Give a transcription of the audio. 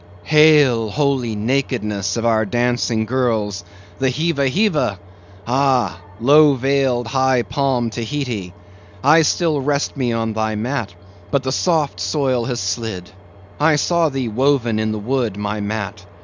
Hail, holy nakedness of our dancing girls!—the Heeva Heeva! Ah! low veiled, high palmed Tahiti! I still rest me on thy mat, but the soft soil has slid! I saw thee woven in the wood, my mat!